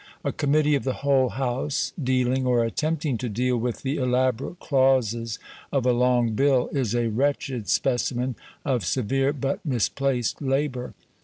A committee of the whole House, dealing, or attempting to deal with the elaborate clauses of a long bill, is a wretched specimen of severe but misplaced labour.